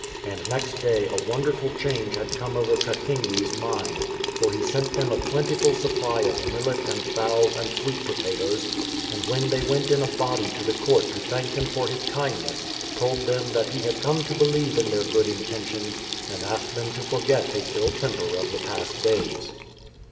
And next day a wonderful change had come over Kakenge's mind, for he sent them a plentiful supply of millet and fowls and sweet potatoes, and when they went in a body to the court to thank him for his kind ness, told them that he had come to believe in their good intentions, and asked them to forget his ill temper of the past days.